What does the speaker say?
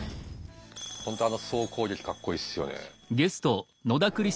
ほんとあの総攻撃かっこいいっすよね。